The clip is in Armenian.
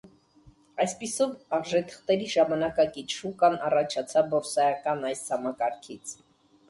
Այսպիսով, արժեթղթերի ժամանակակից շուկան առաջացավ բորսայական այս համակարգից։